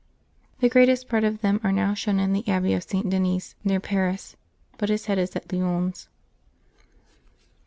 The greatest part of them are now shown in the abbey of St. Denys near Paris, but his head is at Lyons.